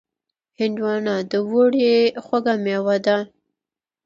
هندوانه د اوړي خوږ مېوه ده.